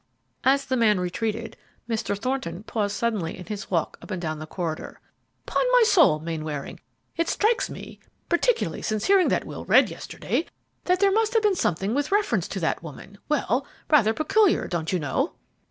As the man retreated, Mr. Thornton paused suddenly in his walk up and down the corridor, "'Pon my soul, Mainwaring! it strikes me particularly since hearing that will read yesterday that there must have been something with reference to that woman well rather peculiar, don't you know."